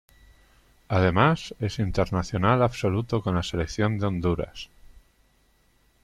Además, es internacional absoluto con la Selección de Honduras.